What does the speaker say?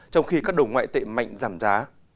trong khi các đồng ngoại tệ mạnh giảm giá